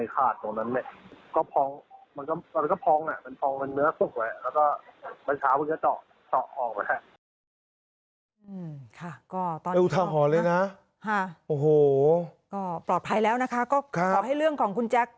ก็ปลอดภัยแล้วนะคะก็ขอให้เรื่องของคุณแจ็ค